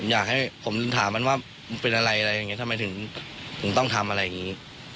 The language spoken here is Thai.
อยากให้ผมถามมันว่าเป็นอะไรอะไรอย่างนี้ทำไมถึงต้องทำอะไรอย่างนี้